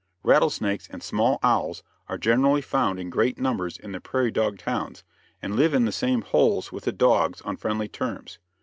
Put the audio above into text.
Rattlesnakes and small owls are generally found in great numbers in the prairie dog towns, and live in the same holes with the dogs on friendly terms.